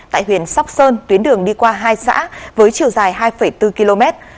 tại huyện sóc sơn tuyến đường đi qua hai xã với chiều dài hai bốn km